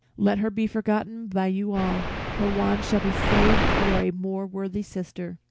"Let her be forgotten by you all; her wand shall be saved for a more worthy sister."